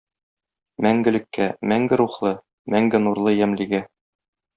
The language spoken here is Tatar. Мәңгелеккә - мәңге рухлы, мәңге нурлы ямьлегә!